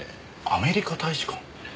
アメリカ大使館？